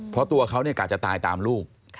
เพราะตัวเขาเนี่ยกลายจะตายตามลูก